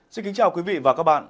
xin kính chào quý vị và các bạn